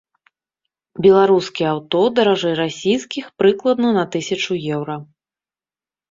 Беларускія аўто даражэй расійскіх прыкладна на тысячу еўра.